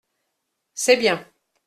C’est bien.